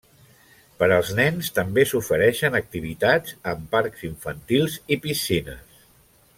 Per als nens també s'ofereixen activitats, amb parcs infantils i piscines.